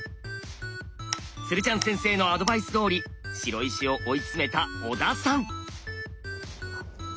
鶴ちゃん先生のアドバイスどおり白石を追い詰めた小田さん。